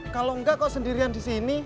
kalau enggak kok sendirian di sini